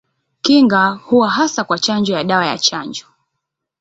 Kinga huwa hasa kwa chanjo ya dawa ya chanjo.